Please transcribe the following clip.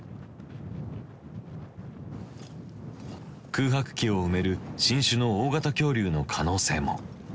空白期を埋める新種の大型恐竜の可能性も。